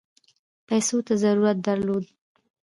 پیسو ته ضرورت درلود.